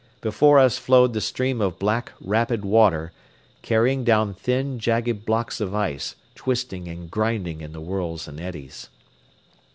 Before us flowed the stream of black, rapid water, carrying down thin, jagged blocks of ice, twisting and grinding in the whirls and eddies.